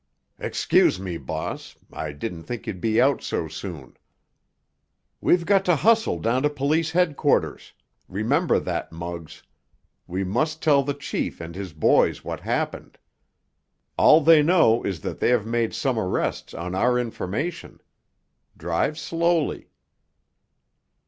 "Excuse me, boss. I didn't think you'd be out so soon." "We've got to hustle down to police headquarters—remember that, Muggs. We must tell the chief and his boys what happened. All they know is that they have made some arrests on our information. Drive slowly."